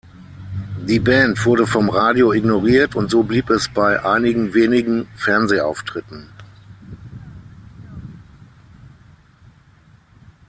Die Band wurde vom Radio ignoriert und so blieb es bei einigen wenigen Fernsehauftritten.